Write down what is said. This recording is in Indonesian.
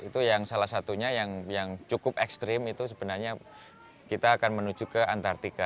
itu yang salah satunya yang cukup ekstrim itu sebenarnya kita akan menuju ke antartika